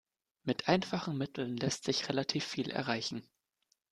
Mit einfachen Mitteln lässt sich relativ viel erreichen.